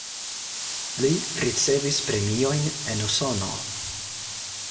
Li ricevis premiojn en Usono.